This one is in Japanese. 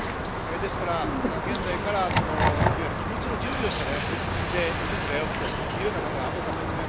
ですから現在から、いわゆる気持ちの準備をしているんだよというような方が多かったです。